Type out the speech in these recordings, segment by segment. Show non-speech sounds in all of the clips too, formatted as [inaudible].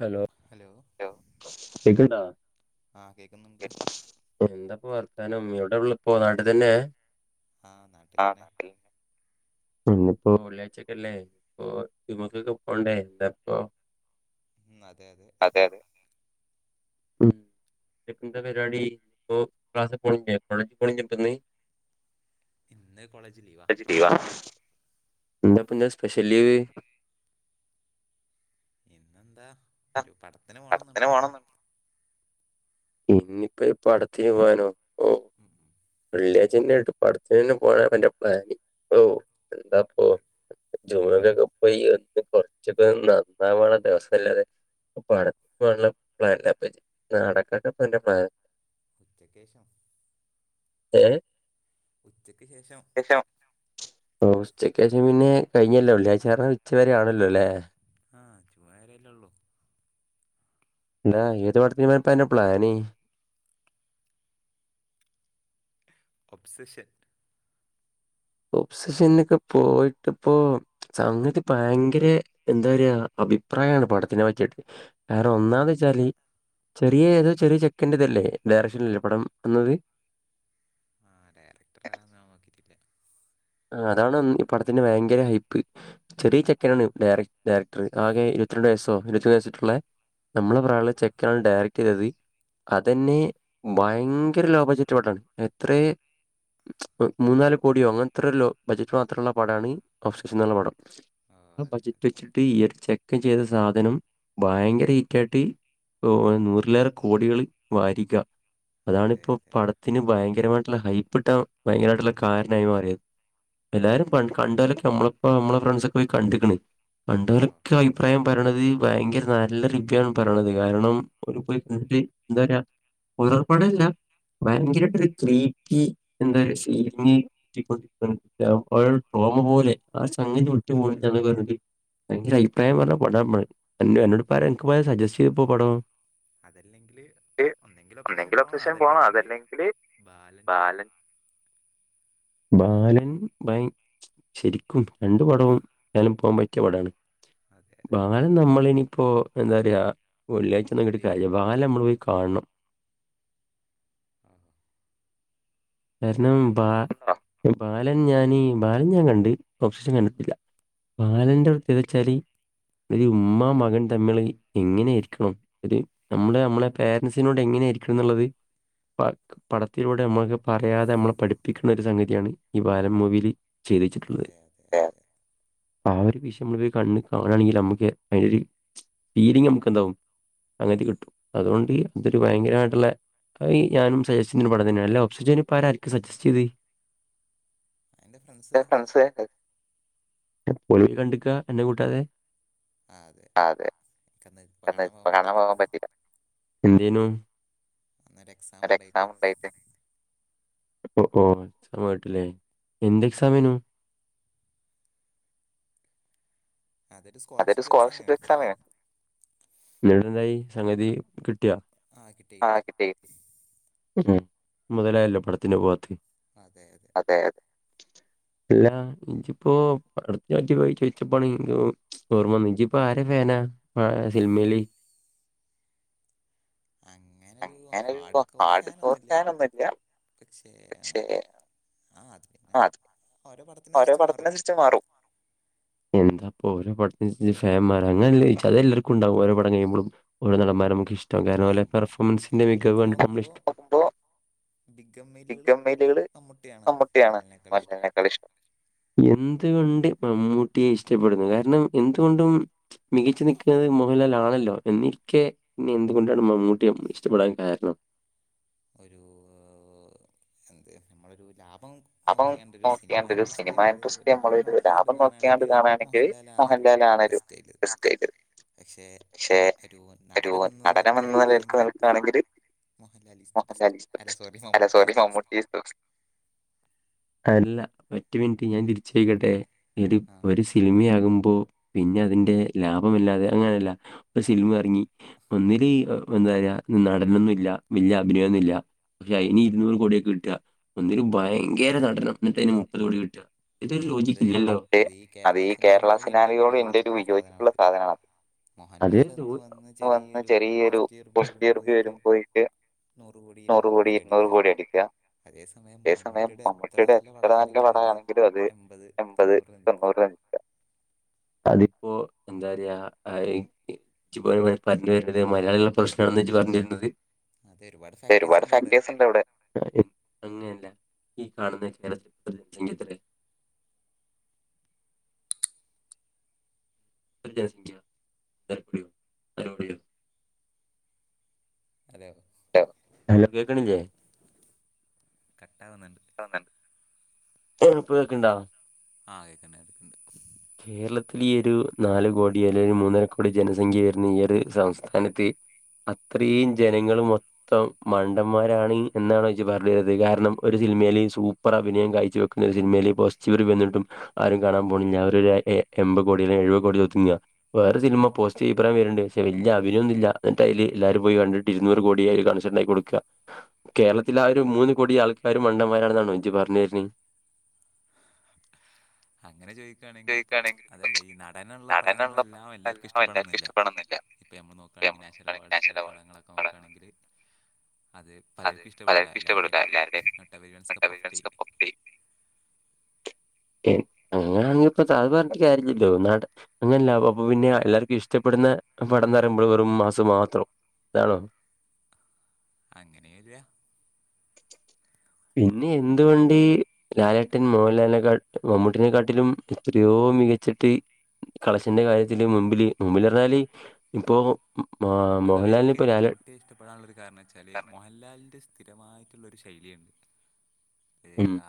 Hello കേക്കുണ്ടോ എന്താപ്പ വർത്താനം ഇവിടെ ഉള്ളപ്പോ നാട്ടിൽ തന്നെ ആഹ നാട്ടിൽന്നെ ഇന്നിപ്പോ വെള്ളിയാഴ്ച്ച കല്ലേ ഇപോജുമുഅക് പോണ്ടോ എന്താപ്പോ ഉം അതെ അതെ ഉം ന്താ പരിപാടി ഇപോ ക്ലാസിൽ പോണില്ലേ കോളേജിൽ പോണില്ലേ ഇന്ന് ഇന്ന് കോളേജ് ലീവാ എന്താ പന്ന് സ്പഷല് ഇന്നെന്താ ഒരു പടത്തിന് പോണെന്നണ്ട് ഇനിയിപ്പോ പടത്തിന് പോവാനോ ഓ വെള്ളിയാഴ്ഛന്നായിട്ട് പടത്തിു തന്നെ പോണ എന്റെ പ്ലാന് ഓ എന്താപ്പോ ജോമക്കൊക്കെ പോയി ഒന്ന് കൊറച്ചൊക്ക നന്നവാണ ദിവസ ല്ലത് [unintelligible] ഉ ഉച്ചകേഷം [unintelligible] കഴിഞ്ഞല്ലോ വെള്ളിയാഴ്ച്ച ഉച്ചവരെ ആണല്ലേല്ലെ ആ ജുമുഅ വരെ ല്ലെയുള്ളു അല്ല ഏത് പടത്തിന്ന് പോവാന പ്ലാന് ഒബ്സെഷൻ ഒബ്സഷന് പോയിട്ട് പോ സംഗതി ഭയങ്കര എന്തരാ അഭിപ്രായമാണ് പഠത്തിനെ പറ്റിയിട്ട് വേറെ ഒന്നാ ത് വെച്ചാല് ചെറിയ ഏതോ ചെറിയ ചെക്കൻറ് ഇതല്ലേ ഡയറക്ഷന് പടം വന്നത് ആഹ ഡയറക്ടറ ആ ഞാൻ നോക്കിട്ടില്ലേ ആ അതാണ്ഈ പടത്തിന്റെ ഭയങ്കര ഹൈപ്പ് ചെറിയ ചെക്കനാണ് ഡ ഡയറക്ടർ ആകെ [unintelligible] അതെന്നെ ഭയങ്കര ലോ ബജ്ജറ്റ് ലേഡാണ് എത്ര മൂന്നാല് കോടിയോ അങ്ങനത്ര ലോ ബഡജറ്റ് മാത്രമുള്ള പടമാണ് അവസിച്ചെന്നുള്ള പടം ആ ബഡജറ്റ് വെച്ചിട്ട് ഈ ഒരു ചെക്ക് ചെയ്ത സാധനം ഭയങ്കര ഹിറ്റ ആായിട്ട് നൂറിലേറെ കോടികള് വാരിക്ക അതാണിപ്പോൊ പടത്തിന് അതാണി പോ പടത്തിന്ന്ഭയങ്കരമായിട്ടുള്ള ഹൈപ്പ് ഇട്ടാൻ ഭയങ്കരമായിട്ടുള്ള കാരണമായി മാറിയത് എല്ലാരും പോകണ്ട ലൊക്കെ നമ്മളിപ്പോ നമ്മളെ ഫ്രണ്ട്സ ഒക്കെ കണ്ടിക്ക്ണ് കണ്ടോലെക്കെഅഭിപ്രായം പറയണത് ഭയങ്കര നല്ല ഫിക്കാണ്കാരണം ഒരുപയി [unintelligible] റപാടെല്ല ഭയങ്കരട്ട്രു ക്ീ എന്ത ഫീലിംഗ [unintelligible] ഭയങ്കര അഭിപ്രായം പറഞ്ഞ പടാണ് അന്നോട് പറ സജസ്റ്റ് പടം അതല്ലെങ്കില് ഒന്തെങ്കിലും ഒബ്സക്ഷൻ പോണംഅതല്ലെങ്കില് ബാലൻ [inaudible] ബാലൻ ഭ ശരിക്കും രണ്ടു പടവും നല്ലളുപ്പം പറ്റിയ പടാണ് ബാല നമ്മള ഇനിപ്പോഎന്താ പറയാ വള്ളിയഴ്ച ഒന്ന കിട്ട കാര്യല്ലാവാ ല നമ്മൾ പോയി കാണണം കാരണം ബാലൻ ഞാൻ ബാലൻ ഞാൻ കണ്ട് ഓപ്ഷഷൻ കണ്ടിത്തില്ല ബാലന്റെ വൃത്തിയത് വെച്ചാല് ഒരു ഉമ്മ മകൻ തമ്മള് എങ്ങനെ ഇരിക്കണം ഒരു നമ്മള് നമ്മളെ പേരൻസിനോട് എങ്ങന രിക്ക എന്നുള്ളത് പടത്തിലുടെ നമ്മക്ക് പറയാതെ നമ്മളെ പഠിപ്പിക്കുന്ന ഒരു സംഗതിയാണ് ഈ ബാലംമൂവിൽ ചീദിച്ചിട്ടുള്ളത് ഏ ആ ഒരു വിഷ് മ്മള് കണ്ണ് കാണാണെങ്കിൽ നമ്മക്ക് അയിന്റൊരു ഫീലിങ് നമുക്കെന്താവും അങ്ങനത്തെ കിട്ടും അതുകൊണ്ട് അതൊരു ഭയങ്കരമായിട്ടുള്ള ഈ ഞാനും സജസ് പഠം തന്നെ എല്ലാം സുജനിപ്പരായിരിക്കും സജസ്റ്റ് ചെയ്ത് എന്റെ ഫ്രണ്ട്സ് പോയൊരു കണ്ടിക്ക എന്നെ കൂട്ടാതെ ആഹ് അതെ ഇക്കെന്തായാലും ഇപ്പ കാണാൻ പോകൻ പറ്റീല ഈനോ അന്നേരം എക്സാം ഉണ്ടായിട്ട് ഓ ഓഹ് എക്സാമായിട്ടല്ലേ എന്തെക്സാമായിനു അതൊരു സ്കോളർഷിപ്പ് എക്സാമായി ഇന്നിട്ടെന്തായി സംഗതി കിട്ടിയോ ആഹ് കിട്ടി കിട്ടി മുതലായല്ലോ പടത്തിന് പോവാത്തെ അതെ അല്ലാ ഇജ്പ്പോ പടത്തെ പറ്റി പോയി ചോദിച്ചപ്പാണ്ഓർമവന്ന് ഇജിപ്പോ ആരെ ഫാനാ ന്നാ അ സിൽമേൽ അങ്ങനെ ഒരു ഹാർഡ് കോർക്കാനൊന്നുല്ല പക്ഷേ ആഹ് അത് പിന്നെ ഓരോ പടത്തിനനുസരിച്ച് മാറും എന്താ ഇപ്പോ ഓരോ പടത്തിഷ് ഫാൻമാറാ അങ്ങനെല്ല ചോയ്ച്ച് അതല്ലർക്കുംണ്ടാവും ഓരോ പടം കഴിയുമ്പളും ഓരോ നടന്മാരമ്മക്ക്ഷ് ടം കാരണം ഓലെ പെർഫോമൻസിന്റെ മികവ് കണ്ടിട്ട് നമ്മളിഷ്ടം ബിഗ്ഗമ്മലുകള് മമ്മൂട്ടിയാണ് മോഹൻലാലിനേക്കാൾ ഇഷ്ടം എന്ത് എന്ത്‌കൊണ്ട് മമ്മൂട്ടിയെ ഇഷ്ടപ്പെടുന്നു കാരണം എന്തുകൊണ്ടും മികച്ചു നിൽക്കുന്നത് മോഹൻലാൽ ആണല്ലോ ഓ എന്നിരിക്കെ നീ എന്തുകൊണ്ടാണ് മമ്മൂട്ടിയ ഇഷ്ടപ്പെടാൻ കാരണം ഒരൂഊ എന്ത് നമ്മളരു ലാഭ അതും നോക്കിയാണ്ട് ഒരു സിനിമാ ഇൻഡസ്ട്രി നമ്മളിത് ലാഭം നോക്കിയാണ്ട് കാണാണെങ്കിൽ മോഹൻ ലാലാണൊരു എക്സിക്ട പക്ഷേ ഒരു നടനം എന്ന നിലൽക്ക് നിൽക്കാണെങ്കിൽ മോഹൻലാലിസ് ഇസ്ദബെസ്റ്റ് അല്ല sorry Mammootty sorry Mammootty the best അല്ല ഒറ്റ മിനിറ്റ് ഞാൻ തിരിച്ചോയ്ക്കട്ടെ ഒരു ഒരു സിനിമയാകുമ്പോൾ ഓ പിന്നെ അതിന്റെ ലാഭമല്ലാതെ അങ്ങനല്ല ഒരു സിൽമ ഇറങ്ങി ഒന്നില് നടനൊന്നുംല്ല വല്യ അഭിനയൊന്നുംല്ല പക്ഷെ അതിനി ഇരുന്നൂറ് കോടിക്കെ കിട്ട ഒന്നിൽ ഭയങ്കര നടനം എന്നിട്ട് അതിന് മുപ്പത് കോടി കിട്ട ഇതൊരു യോജിപ്പില്ലലോ അത് കേരള സിനാലയോട് എന്റൊരു വിയോജിപ്പുള്ള സാധനാണത് അതേ ഇപ്പൊ വന്ന് ചെറിയൊരുപുഷർബി വരുമ്പോയിട്ട് നൂറ് കോടി ഇരുന്നൂറ് കോടിടുക്ക അതേ സമയം സമയം മമ്മൂട്ടിയുടെ എത്ര നല്ല പടമാണെങ്കിലും [unintelligible] എൺപത് തൊണ്ണൂറ് നിൽക്ക അതിപ്പോ എന്താറയാ അയ് ച്ച് പറഞ്ഞ വരുന്നത് മുതലാളി പ്രശ്നാണെന്ന് ഇജ് പറഞ്ഞു വരുന്നത് ഒരുപാട് ഫാക്ടർസ്ണ്ട് ഇവിടെ [unintelligible] [unintelligible] [unintelligible] ഹലോ ഹലോ അലോ കേക്കണില്ലേ കട്ടാവുന്നു ഇപ്പൊ പ്പ കേക്കണ്ടോ ആ കേക്കന്നെടുക്കണ്ട് കേരളത്തിൽ ഈ ഒരു നാാലു കോടി അല്ലെങ്കിൽ ഒരു മൂന്നര കോടി ജനസംഖ്യ വരുന്ന ഈ ഒരു സംസ്ഥാനത് അത്രയും ജനങ്ങളൾ മൊത്തം മണ്ടന്മാരാണ് എന്നാണോ ഇച്ചി പറഞ്ഞരുന്നത് കാരണം ഒരു സിനിമയിൽ സൂപ്പർ അഭിനയം കാഴ്ച വെക്കുന്ന സിനിമൽ പോസിറ്റിവറി വന്നിട്ടും ആരും കാണാൻ പോണില്ല എൺപ കോടി അല്ല എഴുപത് കോടി വേറെ സിനിമ പോസ്റ്റ് ഇബ്രോൻ വരുന്നുണ്ട്ക്ഷെ വലിയ അഭിനയന്നുമില്ല. എന്നിട്ട് അതില് എല്ലാരും പോയി കണ്ടിട്ട് ഇരുന്നൂറ് കോടി കണസായി കൊടുക്കുക കേരളത്തിലെ ആ ഒരു മൂന്ന് കോടി ആൾ ക്ക മണ്ടന്മാരാണെന്നാണ് ഇജി പറഞ്ഞരുന്ന അങ്ങനെ ചോദിക്കുകയാണെങ്കിൽ ഇപ്പൊ അതല്ല ഈ നടനുള്ള പടങ്ങളെല്ലാം എല്ലാർക്കും ഇഷ്ടപ്പെടന്നില്ല ഇപ്പം എമ്മൾ നോക്കുകയാണെങ്കിൽ നാഷുണൽ അവാർഡ്സ് പടങ്ങളൊക്കെ നോക്കുകയാണെങ്കിൽ അത് പലർക്കും ഇഷ്ടപ്പെടൂല എല്ലാവരുടെയും [unintelligible] [unintelligible] അങ്ങനണ ഇപ്പ അത് പറഞ്ഞട്ട കാര്യില്ലല്ലോ നാ അങ്ങനല്ല അപ്പൊ പിന്നെ എല്ലാർക്കും ഇഷ്ടപ്പെട്ട ന പടന്നറിയുമ്പോൾ വെറും മാസം മാത്രം ഇതാണോ അങ്ങനെ വര പിന്നെ എന്ത്ുകണ്ട് ലാലാട്ടൻ മോഹലൽലും മമ്മൂട്ടിനെ കാട്ടിലും എത്രയോ ഇപ്പോൾ മികച്ചിട്ട് കളശൻ്ന്റെ കാര്യത്തിൽ മുമ്പില് മുമ്പിൽിഞ്ഞാല് ഇപ്പോൾ അഥവാ എനിക്ക് മമ്മൂട്ടി ഇഷ്ടപ്പെടാനുള്ള കാരണം വെച്ചാല് മോഹൻലാലിന്റെ സ്ഥി കമായിട്ടുള്ളരു ശൈലിയുണ്ട്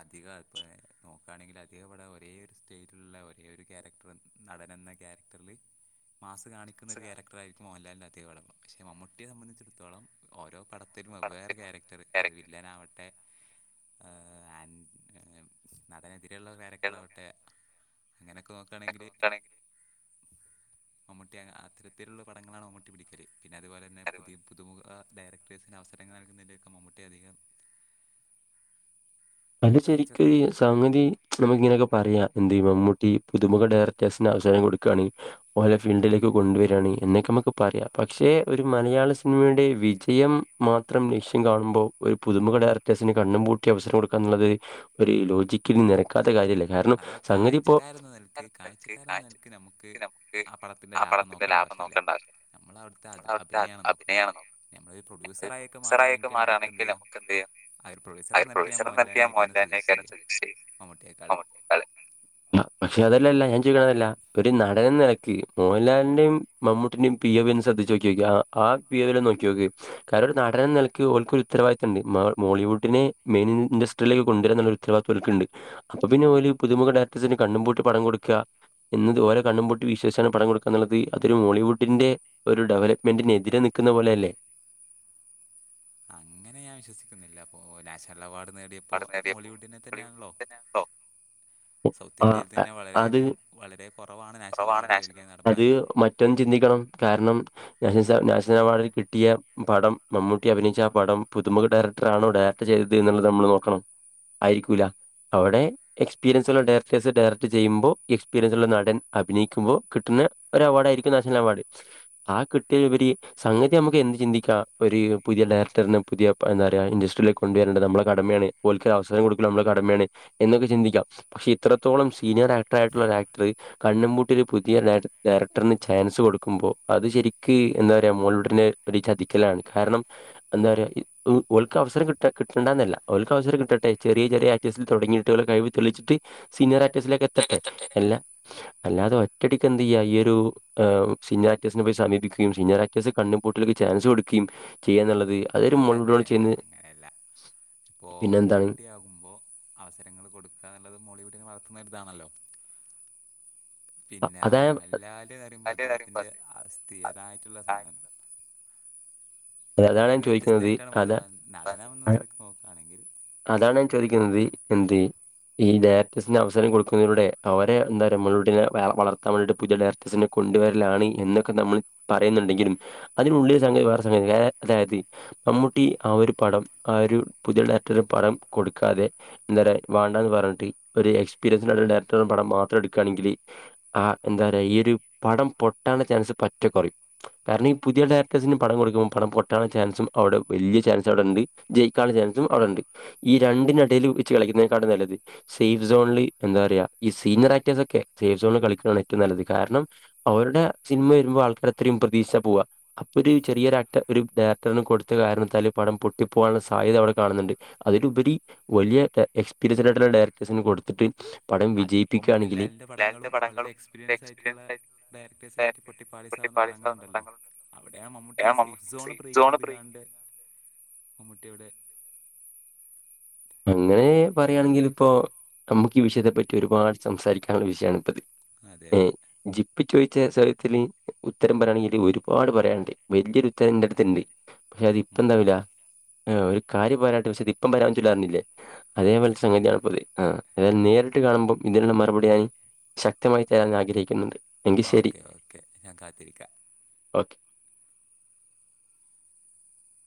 അധിആ കീ നക്കാണെങ്കിൽ അധികപടം ഒരേ ഒരു സ്റ്റേജിലുള്ള ഒരേ ഒരു ക്യാരക്ടർ നടൻ എന്ന ക്യാരക്ടറിൽ മാസ് കാണിക്കുന്ന ഒരു ക്യാരക്ടറായിരിക്ക മോൻലാലിൻ അധിക പടം പക്ഷേ മമ്മൂട്ടിയെ സംബന്ധിച്ചിടത്തോളം ഓരോ പടം ഒത്തിരിും വേറെ ക്യാരക്ടർ അത് വില്ലന ആാവട്ടെ ൻ നടനെതിരെയ ഉുള്ള ക്യാരക്ടർ ആവട്ടെ അങ്ങനെയൊക്കെ നോക്കയാണെങ്കില് മമ്മട്ടി അത്തരത്തിലുള്ള പടങ്ങളാണ് മമ്മൂട്ടി പിടിക്കല് പിന്നെ അതുപോലെ തന്നെ പുതിയ പുമുഖ ഡയറക്ടേഴ്സിന് അവസരങ്ങൾ നൽകുന്നലൊക്കെ മമ്മൂട്ടി അധികം അല്ല ശരിക്കരു സംഗതി നമുക്ക് ഇങ്ങനെയൊക്കെ പറയാ എന്ത മമ്മൂട്ടി പുതുമുഖ ഡയറക്ടേഴ്സിന് അവസാനം കൊടുക്കാണ്ഓെ ഫീൽഡിലേക്ക് കൊണ്ടുവരാണ് എന്നൊക്കെ ന പറയാ പക്ഷെ ഒരു മലയാള സിനിമയുടെ വിജയം മാത്രം ലക്ഷ്യം കാണുമ്പോൾ ഒരു പുതുമുഖ ഇവിടെ കണ്ണും പൂട്ടി അവസരം കൊടുക്കാുള്ളത് ഒരു ലോജിക്കി നിക്കാ അഥവാ കാഴ്ചക്കാരന്ന് നൽക്ക് കാഴ്ചക്കാരന്ന് നൽക്ക് നമുക്ക് ആ പടത്തിന്റെ ലാഭം ന്റെ ലാഭം നോക്കണ്ട നമ്മൾ അവിടുത്തെ അ അഭിനയമാണ് നോക്കേണ്ടത് നമ്മൾ പ്രൊഡ്യൂസറ ആൊക്കെ മാറുകയാണെങ്കിൽ നമുക്ക് എന്ത് ചെയ്യാം അതെ [unintelligible] [unintelligible] പക്ഷെ അതല്ലല്ല ഞാൻ ചോദിക്കണതല്ല ഒരു നടന നിലയ്ക്ക് മോഹൻലാലിന്റെയും മമ്മൂട്ടിന്റെയും പി ന്ന് ശ്രദ്ധിച്ച നോക്കി നോക്ക് പി ഓയിൽ നോക്കി നോക്ക് ആ നടനെന്ന അവർക്കൊരു ഉത്തരവാദിത്വമുണ്ട് ഹോളിവുഡ് മെയിൻഡസ്ട്രി ക്ക് കൊണ്ടുവരുള്ള ഉത്തരവാദിത്യം അവർക്കുണ്ട് പുതുമുഖ ഡയറക്ടന് കണ്ണും പുട്ടി പണം കൊടുക്കുക. എന്നും ഇതുവോരെ കണ്ണും പൂട്ടി വിശ്വസിച്ചാണ് പടം കൊട്ക്കുന്ന് ഇള്ളത് അതൊരു മോളിവുഡിന്റെ ഒരു ഡെവലപ്മെന്റിനെതിരെ നി നിക്ക്ന്ന പോലെ അല്ലേ അങ്ങനെ ഞാൻ വിശ്വസിക്കുന്നില്ല അപ്പൊ നാഷണൽ അവാർഡ് നേടിയപ്പോ മോളിവുഡിനെ തന്നെയാണല്ലോ സൗത്ത് ഇന്ത്യയിൽ തന്നെ വളരെയധികം വളരെ കുറവാണ് നാഷണല് അവാർഡ് നടന്മാര് ഇള്ളത് ചിന്തിക്കണം കാരണം [unintelligible] ഷണൽ അവാർഡ് കിട്ടിയ പടം മമ്മൂട്ടി അഭിനയിച്ച ആ പടം പുതുമുഖ ഡയക്ടറാണോ ഡയറക്ട ചെയതത് എന്ന്ള്ളത് നമ്മൾ നോ നോക്ക ക്കണം ആയിരിക്കൂലാ അവിടെ എക്സ്പീരിയൻസ് ഉള്ള ഡയറക്ടേഴ്സ് ഡയറക്ട് ചെയ്യുമ്പോൾ എക്സ്പീരിയൻസ് ഉള്ള നടൻ അഭിനയിക്കുമ്പോ കിട്ട് ന്ന ഒരു അവാർഡ് ആയിരിക്കും നാഷണൽ അവാർഡ് ആ കിട്ടിയെൽ ഉപരി സംഗതി നമുക്ക് എന്ത് ചിന്തിക്കാ ഒര് പുതിയ ഡയറക്ടറിനും പുതിയ എന്താ പറയാ ഇൻഡസ്ട്രയിലേക്ക് കൊണ്ട് വരേണ്ടത് നമ്മളെ കടമയാണ് അപ്പ ഓൽക്ക് ഒര് അവസരം കൊട്ക്കൽ നമ്മളെ കടമയാണ് എന്നൊക്കെ ചിന്തിക്കാം പക്ഷെ ഇത്രത്തോളം സീനിയർ ആക്ടർ ആയിട്ടുള്ള ഒരു ആക്ടറ് കണ്ണും പൂട്ടി ഒരു പുതിയ ഡ ഡയറക്ടറ്ന് ചാൻസ് കൊടുക്കുമ്പോ അത് ശരിക്ക് എന്താ പറയാ മോൾ ന് ഒര് ചതിക്കലാണ് കാരണം എന്താ പറയാ ഉം ഓൾക്ക് അവസരം കിട്ട കിട്ടണ്ടാന്ന് അല്ല ഓൽ അവസരം കിട്ടട്ടെ ചെറിയ ചെറിയ ആക്ട്ടേഴ്‌സിൽ തുടങ്ങിയിട്ട് ഓലെ കഴിവ് തെളിയിച്ചിട്ട് സീനിയർ ആ സിലേക്ക് എത്തട്ടെ എല്ലാ അല്ലാതെ ഒറ്റയടിക്ക് എന്ത് ചെയ്യാ ഈ ഒരു ഏ സീനിയർ ആർട്ടിസ്റ്റിനെ പോയി സമീപിക്കുകയും സീനിയർ ആക്ടേസ് കണ്ണും കൂട്ടര്ക്ക് ചാൻസ് കൊട്ക്കിം ചെയ്യാന്നുള്ളത് അതൊരു [unintelligible] ചെയ്യ്ന്നെ പ്പോ മമ്മുട്ടി ആകുമ്പോ അവസരങ്ങൾ കൊടുക്കാന്നുള്ളത് മോളിവുഡിൻ [unintelligible] എന്നൊര് ഇതാണല്ലോ പിന്നെ ആ മോഹൻലാൽ പറിമ്പോ അദ്ദേഹത്തിന്റെ ആ സ്ഥിരതായിട്ടുള്ള സാധനം അതിൽ നിന്ന് വ്യത്യസ്തമായിട്ടാണ് മധുപാലൻ നടനാവുന്ന നെലക്ക് നോക്കാ ആണെങ്കിൽ ഹിന്ദി എന്തെയ് ഈ ഡയറക്ടേഴ്സിന് അവസരം കൊടുക്കുന്നതിലൂടെ അവരെ എന്താ അറിയോ മോളിവുഡിനെ വളർത്താൻ വേണ്ടിയിട്ട് പുതിയ ഡയറക്ടേഴ്സിനെ കൊ കൊണ്ടുവരലാണ് എന്നൊക്കെ നമ്മൾ പറയുന്നുണ്ടെങ്കിലും അതിനുള്ളിൽ തന്നെ വേ [unintelligible] അതായത് മമ്മൂട്ടി ആ ഒരു പടം ആ ഒരു പുതിയ ഡയറക്ടറ്ന്‌ പടം കൊടുക്കാതെ എന്താ പറയാ വാണ്ടാന്ന് പരൺട്ട് ഒര് എക്സ്പീരിയൻസുള്ള ഡയറക്ടറുടെ പടം മാത്രം എട്ക്കാണെങ്കില് ആ ആ എന്താ പറയാ ഈ ഒരു പടം പൊട്ടാനുള്ള ചാൻസ് പറ്റെ കൊറിം കാരണം ഈ പുതിയ ഡയറക്ടേഴ്സിന് പടം കൊടുക്കുമ്പോ പടം പൊട്ടാനുള്ള ചാൻസും അയുടെ വല്ലിയ ചാൻസ് അയുടെണ്ട് ജയിക്കാൻള്ള ചാൻസും അയുടൊണ്ട് ഈ ര രണ്ടിനും എടെൽ വച്ച് കളിക്കുന്നെക്കാട്ട് നല്ലത് സേഫ് സോണില് എന്താ പറയാ ഈ സീനിയർ ആക്ടേഴ്സൊക്കെ സേഫ് സോൺ കളിക്ക്ണെ ആണ് ഏറ്റവും നല്ലത് കാരണം അവരുടെ സിനിമ വെരുമ്പോ ആൾക്കാര് അത്രയും പ്രതീഷിച്ചാ പോവാ അപ്പൊ ഒര് ചെറിയൊര് ആക്ടർ ഒരു ഡയറക്ടറിനും കൊട്ത്ത് കാരണത്താൽ പടം പൊട്ടി പോവാനുള്ള സാധ്യത അവിടെ കാണുന്നുണ്ട് അതിലുപരി വലിയ എക്സ്പീരിയൻസ്ഡ് ആയിട്ടുള്ള ഡയറക്ടേഴ്സിന് കൊട്ത്തിട്ട് അതിപ്പോ മോഹൻലാലിന്റെ പടങ്ങളും വളരെ എക്സ്പീരിയൻസ് ആയിട്ടുള്ള ഡയറക്ടേഴ്സിനെയ്റ്റ് പൊട്ടി പാളീസ് ആ ട്ടുന്ന പടങ്ങളുണ്ടല്ലോ അവിടെ ആ മമ്മൂ ഈ സേഫ് സോൺ ബ്രേക്ക് ചെയ്ത് കാണ്ട് മമ്മൂട്ടി ഒയുടെ പ്പം അങ്ങനെ പറയാണെങ്കിൽ ഇപ്പോ നമ്മക്ക് ഈ വിഷയത്തെ പറ്റി ഒരുപാട് സംസാരിക്കാനുള്ള വിഷയാണിപ്പം ഇത് ഏ ജിപ്പ് ചോയി ച്ച സ്വരത്തില് ഉത്തരം പറയാണെങ്കില് ഒരുപാട് പറയാൻ ഇണ്ട് വല്ലിയൊരു ഉത്തരം ഇന്റെട്ത്ത്ണ്ട് പക്ഷേ അതിപ്പം എന്താവുല്ല ഏ ഒരു കാര്യം പറയാട്ട് വെച്ച്ട്ട് ഇപ്പം പരാൻ പറ്റുലാ പർഞ്ഞിലെ അതേപോലത്തെ സംഗതിയാണ് ഇപ്പം ഇത് ആ ഏതായാലും നേരിട്ട് കാണുമ്പം ഇതിനുള്ള മറുപടി ഞാൻ ശക്തമായി തരാൻ ആഗ്രഹിക്ക്ന്നുണ്ട് ഓക്കെ ഓക്കെ ഞാൻ കാത്തിരിക്കാം ഓക്കെ